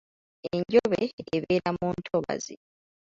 Enjobe ebeera mu ntobazzi.